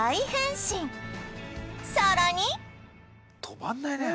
さらに